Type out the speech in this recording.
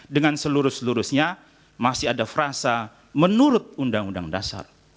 dengan seluruh seluruhnya masih ada frasa menurut undang undang dasar